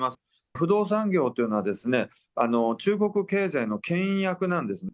不動産業というのは、中国経済のけん引役なんですね。